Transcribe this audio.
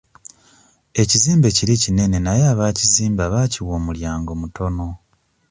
Ekizimbe kiri kinene naye abaakizimba baakiwa omulyango mutono.